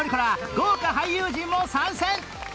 豪華俳優陣も参戦！